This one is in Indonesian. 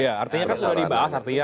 ya artinya kan sudah dibahas artinya